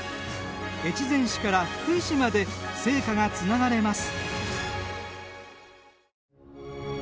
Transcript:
越前市から福井市まで聖火がつながれます。